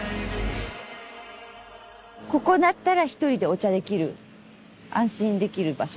ここだったら１人でお茶できる。